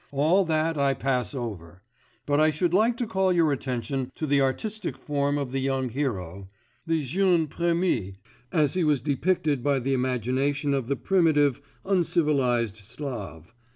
all that I pass over; but I should like to call your attention to the artistic form of the young hero, the jeune premier, as he was depicted by the imagination of the primitive, uncivilised Slav.